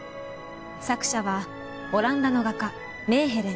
作者はオランダの画家。